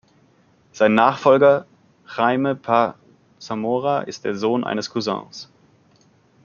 Sein Nachfolger Jaime Paz Zamora ist der Sohn eines Cousins.